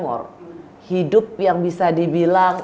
war hidup yang bisa dibilang